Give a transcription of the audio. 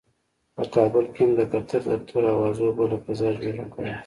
په کابل کې هم د قطر دفتر اوازو بله فضا جوړه کړې.